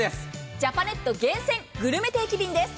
ジャパネット厳選、グルメ定期便です。